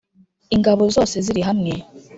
Ingabo zose zirihamwe .